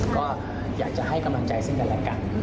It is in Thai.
ก็อยากจะให้กำลังใจสิ้นแต่ละกัน